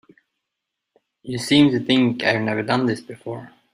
You seem to think I've never done this before.